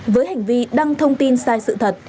với hành vi đăng thông tin sai sự thật